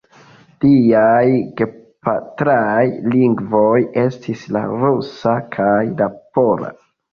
Liaj gepatraj lingvoj estis la rusa kaj la pola.